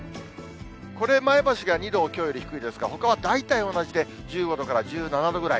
これ、前橋が２度きょうより低いですが、ほかは大体同じで、１５度から１７度ぐらい。